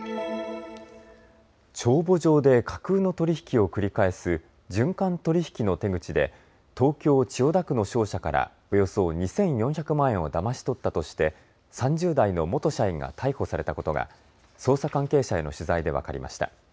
帳簿上で架空の取り引きを繰り返す循環取引の手口で東京千代田区の商社からおよそ２４００万円をだまし取ったとして３０代の元社員が逮捕されたことが捜査関係者への取材で分かりました。